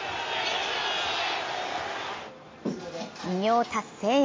偉業達成へ。